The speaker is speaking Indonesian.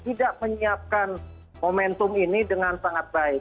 tidak menyiapkan momentum ini dengan sangat baik